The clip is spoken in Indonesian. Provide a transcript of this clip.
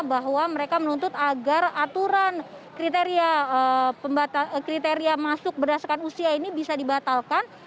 bahwa mereka menuntut agar aturan kriteria masuk berdasarkan usia ini bisa dibatalkan